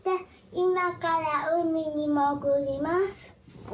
いまからうみにもぐります。